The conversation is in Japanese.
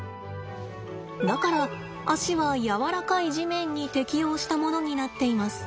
だから足は柔らかい地面に適応したものになっています。